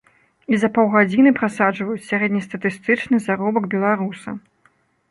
І за паўгадзіны прасаджваюць сярэднестатыстычны заробак беларуса.